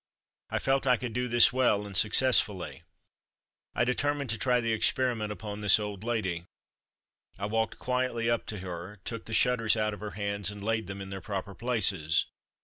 I felt I could do this well and successfully. I determined to try the experiment upon this old lady. I walked quietly up to her, took the shutters out of her hands and laid them in their proper places.